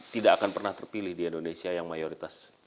tidak akan pernah terpilih di indonesia yang mayoritas